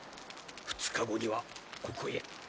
２日後にはここへ。